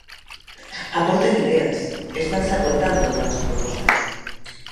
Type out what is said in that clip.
Aporten ideas, estanse aportando novas propostas.